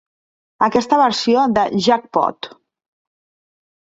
Aquesta versió de Jackpot!.